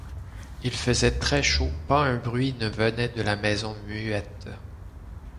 Il faisait très chaud, pas un bruit ne venait de la maison muette.